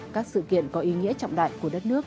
các sự kiện có ý nghĩa trọng đại của đất nước